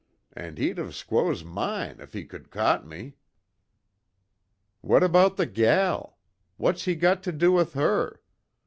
An' he'd of squose mine, if he could caught me!" "What about the gal? What's he got to do with her?